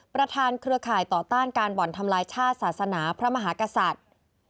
เครือข่ายต่อต้านการบ่อนทำลายชาติศาสนาพระมหากษัตริย์